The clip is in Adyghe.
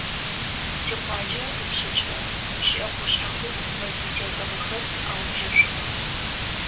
Тикъуаджэ ыпшъэкӏэ щыӏэ къушъхьэхэу мэз зытетыгъэхэр ауджэшъугъэх.